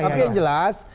tapi yang jelas